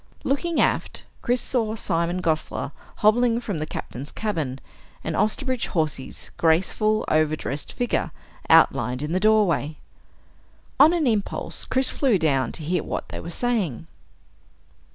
Looking aft, Chris saw Simon Gosler hobbling from the Captain's cabin, and Osterbridge Hawsey's graceful, overdressed figure outlined in the doorway. On an impulse, Chris flew down to hear what they were saving.